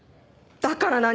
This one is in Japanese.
だから何？